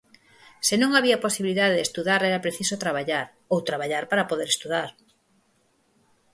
Se non había posibilidade de estudar era preciso traballar, ou traballar para poder estudar.